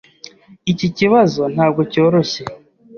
Iki kibazo ntabwo cyoroshye.